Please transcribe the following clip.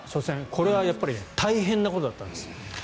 これは大変なことだったんです。